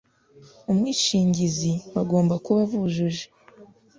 umwishingizi bagomba kuba bujuje